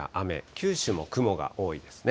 九州も雲が多いですね。